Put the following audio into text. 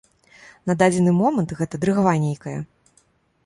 На дадзены момант гэта дрыгва нейкая.